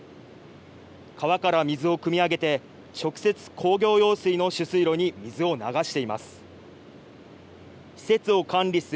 川から水をくみ上げて、直接、工業用水の取水路に水を流しています。